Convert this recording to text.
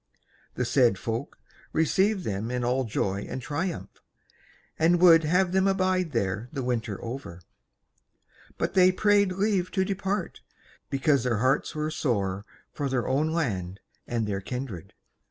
The said Folk received them in all joy and triumph, and would have them abide there the winter over. But they prayed leave to depart, because their hearts were sore for their own land and their kindred.